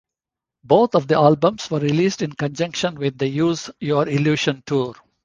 Both of the albums were released in conjunction with the Use Your Illusion Tour.